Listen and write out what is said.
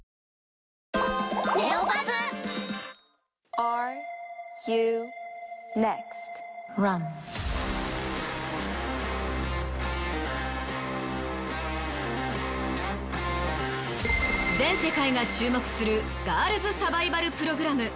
「『ＲＵＮｅｘｔ？』ＲＵＮ」全世界が注目するガールズサバイバルプログラム。